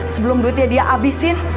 sebelum duitnya dia abisin